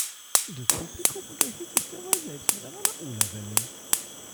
Das Publikum unterhielt sich derweil selbst mit einer Laola-Welle.